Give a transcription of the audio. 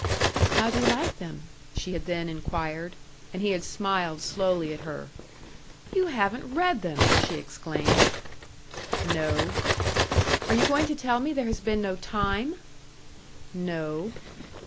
"How do you like them?" she had then inquired; and he had smiled slowly at her. "You haven't read them!" she exclaimed. "No." "Are you going to tell me there has been no time?" "No."